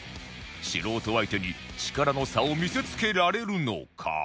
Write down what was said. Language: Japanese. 素人相手に力の差を見せつけられるのか？